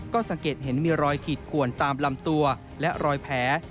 ก็สังเกตเห็นมีรอยขีดขวนตามลำตัวและรอยแผล